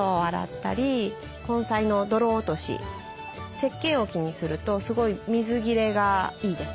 石けん置きにするとすごい水切れがいいです。